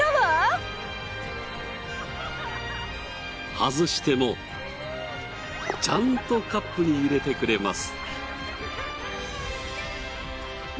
外してもちゃんとカップに入れてくれます。